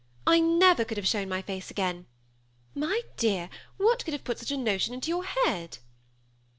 I never could have shown my face again. My dear, what could have put such a notion into your head